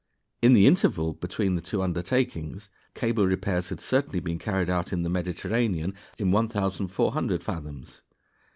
In the interval between the two undertakings cable repairs had certainly been carried out in the Mediterranean in 1,400 fathoms.